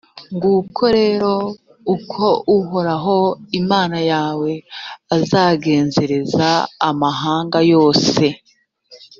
nguko rero uko uhoraho imana yawe azagenzereza amahanga yose